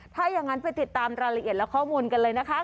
ถ้าอย่างนั้นไปติดตามรายละเอียดและข้อมูลกันเลยนะคะ